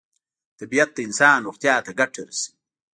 طبیعت د انسان روغتیا ته ګټه رسوي.